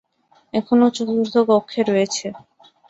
এখনো চতুর্থ কক্ষে রয়েছে।